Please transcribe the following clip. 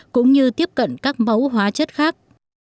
cũng như tiếp cận các mẫu hóa chất khác